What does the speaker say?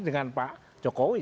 dengan pak jokowi